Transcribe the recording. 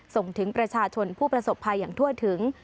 ส่งถึงประชาชนผู้ประสบภัยอย่างทั่วถึง